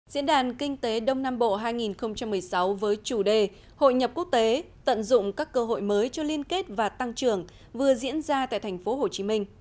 diễn đàn kinh tế đông nam bộ hai nghìn một mươi sáu với chủ đề hội nhập quốc tế tận dụng các cơ hội mới cho liên kết và tăng trưởng vừa diễn ra tại tp hcm